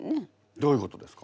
どういうことですか？